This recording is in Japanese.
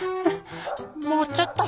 もうちょっと。